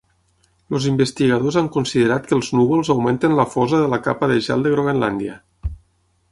Els investigadors han considerat que els núvols augmenten la fosa de la capa de gel de Groenlàndia.